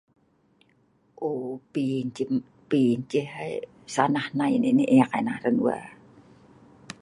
Pi nah ceh sanah hnai nai ngan eek ena hran wey.